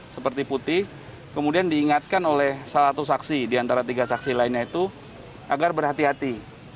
seperti putih kemudian diingatkan oleh salah satu saksi di antara tiga saksi lainnya itu agar berhati hati